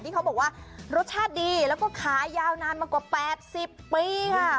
เขาบอกว่ารสชาติดีแล้วก็ขายยาวนานมากว่า๘๐ปีค่ะ